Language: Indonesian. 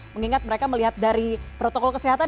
mengingat mereka melihat dari protokol kesehatan